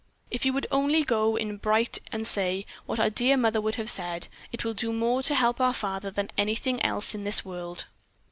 If you would only go in brightly and say, what our dear mother would have said, it will do more to help our father than anything else in this world."